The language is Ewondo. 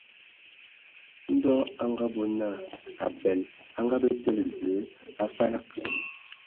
Ndɔ a ngabɔ naa, abəl a ngabə tǝ̀lə Zəə a falag.